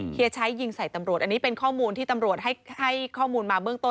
ใช้ยิงใส่ตำรวจอันนี้เป็นข้อมูลที่ตำรวจให้ข้อมูลมาเบื้องต้น